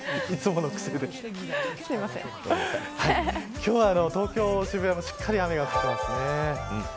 今日は東京、渋谷もしっかり雨が降っていますね。